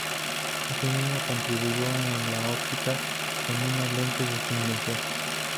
Asimismo, contribuyó en la óptica con unos lentes de su invención.